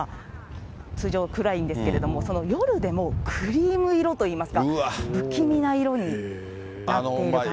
通常暗いんですけども、夜でもクリーム色といいますか、不気味な色になっている感じですね。